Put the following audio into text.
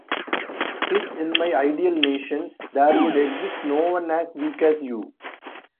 His In my ideal nation, there would exist no one as weak as you!